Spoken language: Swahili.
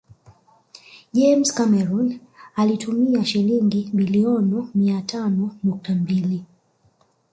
James Cameroon alitumia Shilingi biliono mia tano nukta mbili